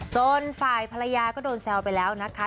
จนฝ่ายภรรยาก็โดนแซวไปแล้วนะคะ